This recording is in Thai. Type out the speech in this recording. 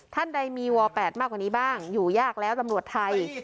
ท่านใดมีว๘มากกว่านี้บ้างอยู่ยากแล้วตำรวจไทย